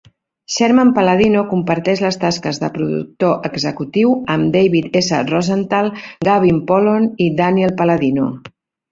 Sherman-Palladino comparteix les tasques de productor executiu amb David S Rosenthal, Gavin Polone i Daniel Palladino.